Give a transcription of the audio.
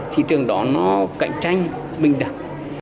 thị trường đó cạnh tranh bình đẳng